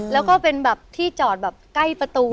แล้วก็เป็นแบบที่จอดแบบใกล้ประตู